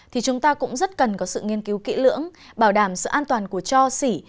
thì chúng ta cũng rất cần có sự nghiên cứu kỹ lưỡng bảo đảm sự an toàn của cho xỉ